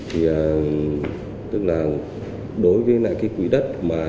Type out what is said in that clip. thì tức là đối với lại cái quỹ đất